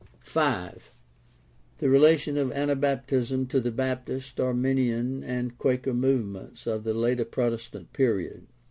5. The relation of Anabaptism to the Baptist, Arminian, and Quaker movements of the later Protestant period.